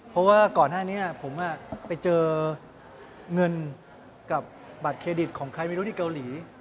เพราะว่าก่อนหน้านี้ผมไปเจอเงินกับบัตรเครดิตของใครไม่รู้ที่เกาหลี